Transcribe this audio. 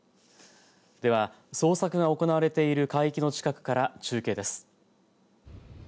では、捜索が行われている海域の近くから中継です。